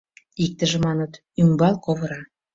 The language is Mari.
Иктыже маныт: ӱмбал ковыра